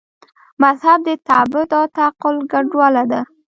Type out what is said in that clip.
مذهب د تعبد او تعقل ګډوله ده.